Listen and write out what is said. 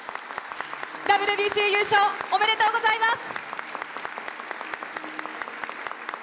ＷＢＣ優勝、おめでとうございます。